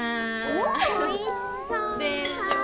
おいしそうでしょ？